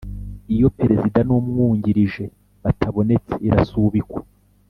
Iyo perezida n’umwungirije batabonetse irasubikwa